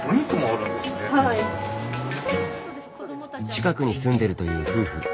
近くに住んでるという夫婦。